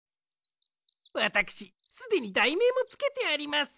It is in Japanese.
わたくしすでにだいめいもつけてあります。